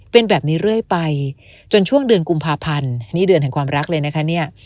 เป็นแบบนี้เรื่อยไปจนช่วงเดือนกุมภาพันธ์นี่เดือนแห่งความรักเลยนะคะเนี่ย